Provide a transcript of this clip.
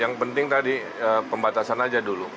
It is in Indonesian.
yang penting tadi pembatasan aja dulu